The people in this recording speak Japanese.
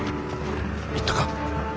行ったか？